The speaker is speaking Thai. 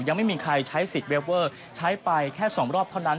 ยังไม่มีใครใช้สิทธิ์เวอร์ใช้ไปแค่๒รอบเท่านั้น